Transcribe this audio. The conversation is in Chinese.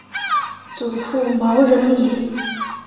祖父毛仁民。